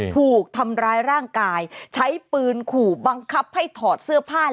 ถูกทำร้ายร่างกายใช้ปืนขู่บังคับให้ถอดเสื้อผ้า